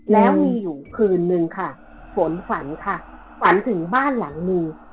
แล้วมีอยู่คืนนึงค่ะฝนฝันค่ะฝันถึงบ้านหลังนึง